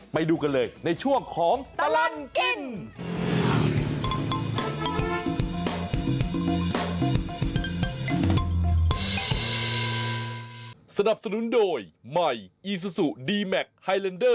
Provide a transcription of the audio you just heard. ไปดูกันเลยในช่วงของตลอดกิน